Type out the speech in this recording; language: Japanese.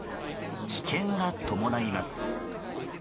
危険が伴います。